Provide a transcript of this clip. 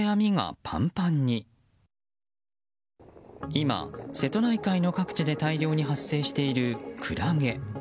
今、瀬戸内海の各地で大量に発生しているクラゲ。